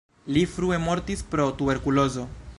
Li frue mortis pro tuberkulozo.